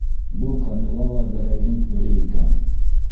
Был Камила ла Гәрәйҙең бере икән!